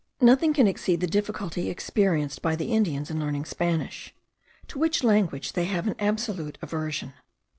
Nothing can exceed the difficulty experienced by the Indians in learning Spanish, to which language they have an absolute aversion.